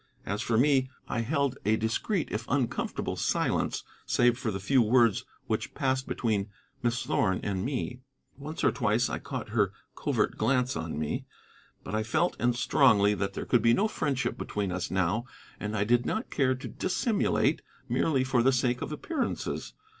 As for me, I held a discreet if uncomfortable silence, save for the few words which passed between Miss Thorn and me. Once or twice I caught her covert glance on me. But I felt, and strongly, that there could be no friendship between us now, and I did not care to dissimulate merely for the sake of appearances.